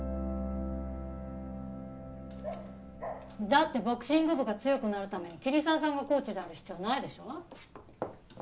だってボクシング部が強くなるために桐沢さんがコーチである必要ないでしょ？